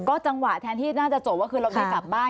ก็จังหวะแทนที่น่าจะโจทย์ว่าคือเราไม่กลับบ้าน